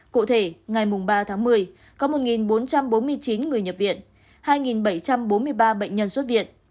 cụ thể ngày ba tháng một mươi có một bốn trăm bốn mươi chín người nhập viện hai bảy trăm bốn mươi ba bệnh nhân xuất viện